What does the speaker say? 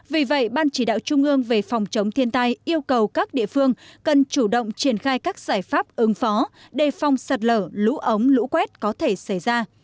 vì vậy ban chỉ đạo trung ương về phòng chống thiên tai yêu cầu các địa phương cần chủ động triển khai các giải pháp ứng phó đề phòng sạt lở lũ ống lũ quét có thể xảy ra